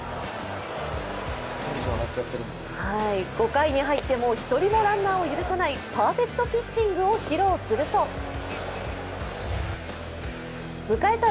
５回に入っても１人もランナーを許さないパーフェクトピッチングを披露すると迎えた